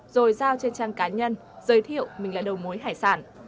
rồi giao trên trang cá nhân giới thiệu mình là đầu mối hải sản